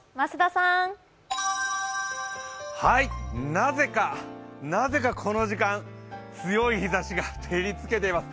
なぜか、なぜかこの時間、強い日ざしが照りつけています。